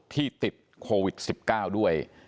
ที่ติดโควิด๑๙ด้วย